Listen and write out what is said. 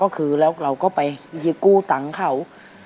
ครับก็คือแล้วเราก็ไปซื้อกู้ตังเขา